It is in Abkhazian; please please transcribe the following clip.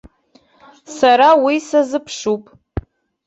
Сара уи сазыԥшуп.